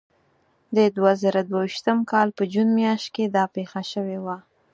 د دوه زره دوه ویشتم کال په جون میاشت کې دا پېښه شوې وه.